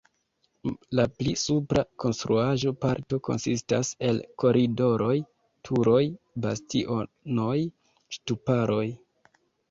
La pli supra konstruaĵo-parto konsistas el koridoroj, turoj, bastionoj, ŝtuparoj.